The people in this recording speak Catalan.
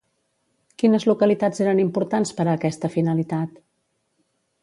Quines localitats eren importants per a aquesta finalitat?